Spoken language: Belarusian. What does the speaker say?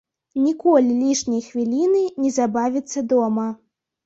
Ніколі лішняй хвіліны не забавіцца дома.